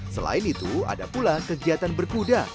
selain itu ada pula kegiatan berkuda